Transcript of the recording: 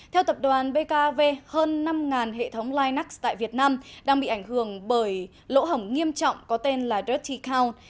theo tập đoàn bkv hơn năm hệ thống linux tại việt nam đang bị ảnh hưởng bởi lỗ hỏng nghiêm trọng có tên là dirty count